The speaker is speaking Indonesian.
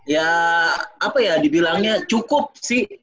ya apa ya dibilangnya cukup sih